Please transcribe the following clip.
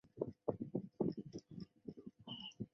该站内亦设紧急车辆通道。